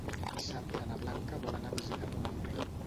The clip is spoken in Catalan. Dissabte na Blanca vol anar a visitar mon oncle.